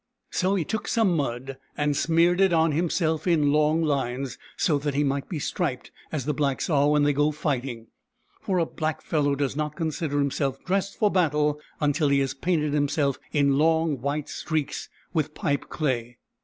So he took some mud and smeared it on himself in long lines, so that he might be striped as the blacks are when they go fighting : for a black fellow does not consider himself dressed for battle until he has painted himself in long white streaks with pipeclay.